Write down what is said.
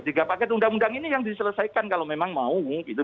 tiga paket undang undang ini yang diselesaikan kalau memang mau gitu